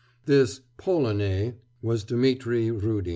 This 'Polonais' was Dmitri Rudin.